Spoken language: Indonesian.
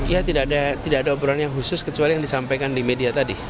ya tidak ada obrolan yang khusus kecuali yang disampaikan di media tadi